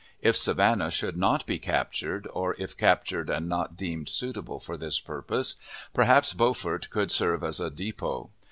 If Savannah should not be captured, or if captured and not deemed suitable for this purpose, perhaps Beaufort would serve as a depot.